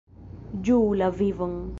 Ĝuu la vivon!